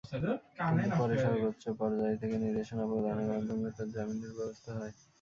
কিন্তু পরে সর্বোচ্চ পর্যায় থেকে নির্দেশনা প্রদানের মাধ্যমে তাঁর জামিনের ব্যবস্থা হয়।